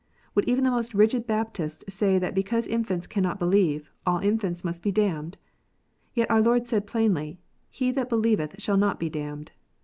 Would even the most rigid Baptist say that because infants cannot believe, all infants must be damned 1 Yet our Lord said plainly, "He that believeth not shall be damned."